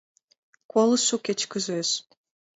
Колышо кечкыжеш: